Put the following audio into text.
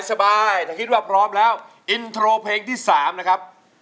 สบายถ้าคิดว่าพร้อมแล้วอินโทรเพลงที่๓นะครับ